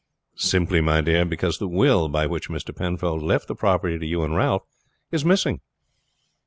"Simply, my dear, because the will by which Mr. Penfold left the property to you and Ralph is missing."